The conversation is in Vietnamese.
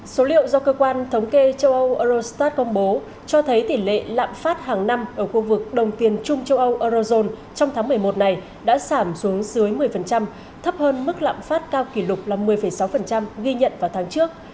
số liệu do cơ quan thống kê châu âu eurostat công bố cho thấy tỷ lệ lạm phát hàng năm ở khu vực đồng tiền trung châu âu eurozone trong tháng một mươi một này đã giảm xuống dưới một mươi thấp hơn mức lạm phát cao kỷ lục là một mươi sáu ghi nhận vào tháng trước